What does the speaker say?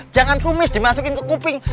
jangan tumis dimasukin ke kuping